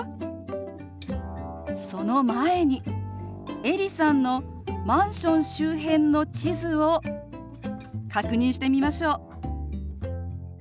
その前にエリさんのマンション周辺の地図を確認してみましょう。